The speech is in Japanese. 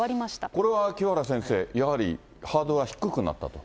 これは清原先生、やはりハードルが低くなったと。